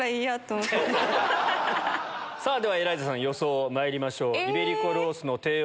ではエライザさん予想まいりましょう。